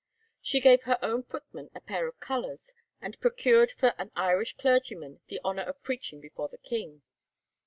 She gave her own footman a pair of colours, and procured for an Irish clergyman the honour of preaching before the King.